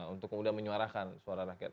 untuk kemudian menyuarakan suara rakyat